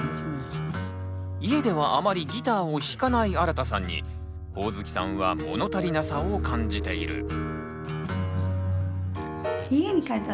家ではあまりギターを弾かないあらたさんにホオズキさんは物足りなさを感じている。